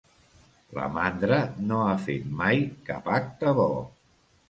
La mandra no ha fet mai cap acte bo.